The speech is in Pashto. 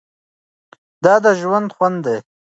دا د ژوند خوند دی.